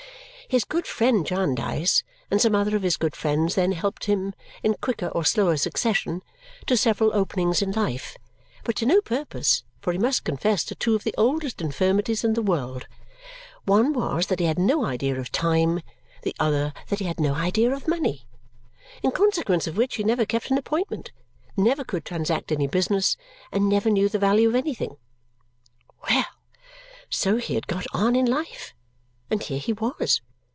His good friend Jarndyce and some other of his good friends then helped him, in quicker or slower succession, to several openings in life, but to no purpose, for he must confess to two of the oldest infirmities in the world: one was that he had no idea of time, the other that he had no idea of money. In consequence of which he never kept an appointment, never could transact any business, and never knew the value of anything! Well! So he had got on in life, and here he was!